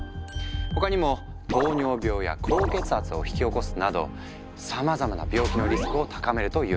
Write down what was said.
他にも糖尿病や高血圧を引き起こすなどさまざまな病気のリスクを高めるというんだ。